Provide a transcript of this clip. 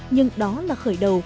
nhưng đó là khởi đầu